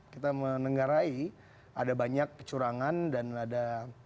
kita menenggarai ada banyak kecurangan dan ada